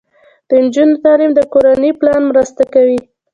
د نجونو تعلیم د کورنۍ پلان مرسته کوي.